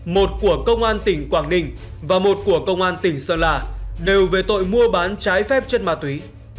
một của công an tỉnh quảng ninh và một của công an tỉnh sơn la đều về tội mua bán trái phép chất ma túy